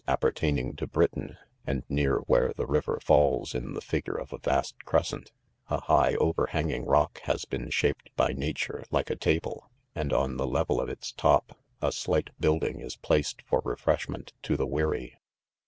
appertaining to Britain, and near where the river falls in the figure of a vast crescent, a high overhang ing rock has been shaped by nature like a ta ble, and on the level of its top, a slight build ing is_pl aced for refreshment to the weary.